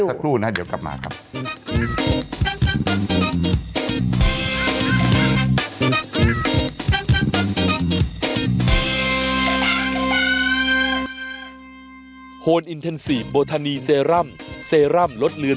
สักครู่นะเดี๋ยวกลับมาครับ